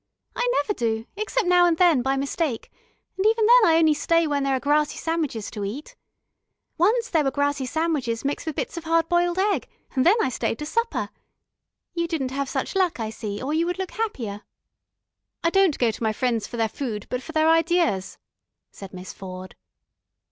"I never do, except now and then by mistake. And even then I only stay when there are grassy sandwiches to eat. Once there were grassy sandwiches mixed with bits of hard boiled egg, and then I stayed to supper. You didn't have such luck, I see, or you would look happier." "I don't go to my friends for their food, but for their ideas," said Miss Ford.